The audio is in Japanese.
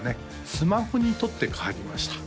スマホに取って代わりました